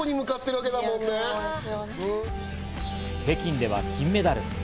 北京では金メダル。